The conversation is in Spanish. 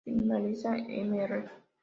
Finalizada "Mr.